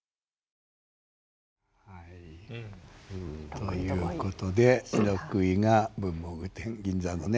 ということで６位が文房具店銀座のね。